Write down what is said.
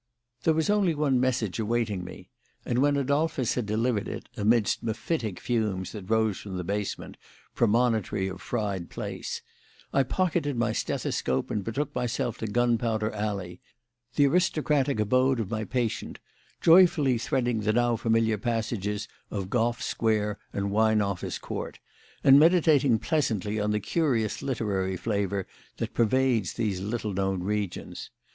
There was only one message awaiting me, and when Adolphus had delivered it (amidst mephitic fumes that rose from the basement, premonitory of fried plaice), I pocketed my stethoscope and betook myself to Gunpowder Alley, the aristocratic abode of my patient, joyfully threading the now familiar passages of Gough Square and Wine Office Court, and meditating pleasantly on the curious literary flavour that pervades these little known regions.